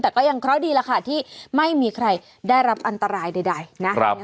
แต่ก็ยังเคราะห์ดีแล้วค่ะที่ไม่มีใครได้รับอันตรายใดนะครับ